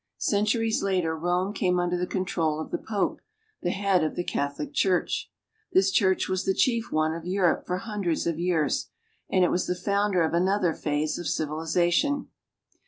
Centuries later Rome came under the control of the Pope, the head of the Catholic Church. This church was the chief one of Europe for hundreds of years, and it was the founder of another phase of civilization.